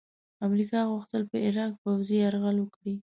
امریکا غوښتل په عراق پوځي یرغل وکړي.